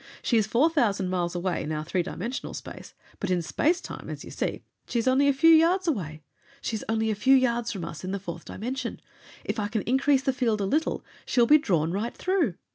She is four thousand miles away in our three dimensional space, but in space time, as you see, she is only a few yards away. She is only a few yards from us in the fourth dimension. If I can increase the field a little, she will be drawn right through!"